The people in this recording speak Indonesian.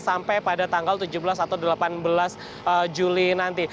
sampai pada tanggal tujuh belas atau delapan belas juli nanti